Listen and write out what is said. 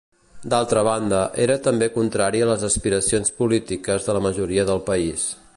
D'altra banda, era també contrari a les aspiracions polítiques de la majoria del país.